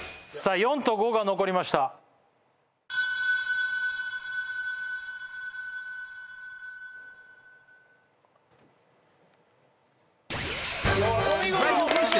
４と５が残りましたよっしゃ！